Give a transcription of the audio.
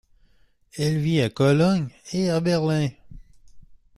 Elle vit à Cologne et à Berlin.